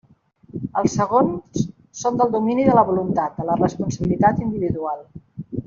Els segons són del domini de la voluntat, de la responsabilitat individual.